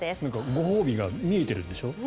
ご褒美が見えてるんでしょ？